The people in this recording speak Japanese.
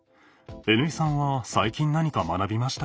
Ｎ井さんは最近何か学びましたか？